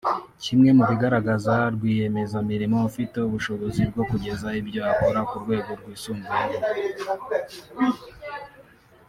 Kimwe mu bigaragaza rwiyemezamirimo ufite ubushobozi bwo kugeza ibyo akora ku rwego rwisumbuyeho